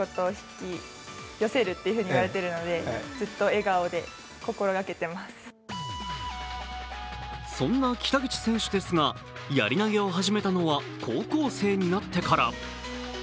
以前、番組に出演した際にそんな北口選手ですがやり投げを始めたのは高校生になってから。